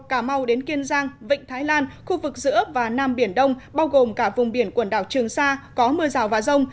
cà mau đến kiên giang vịnh thái lan khu vực giữa và nam biển đông bao gồm cả vùng biển quần đảo trường sa có mưa rào và rông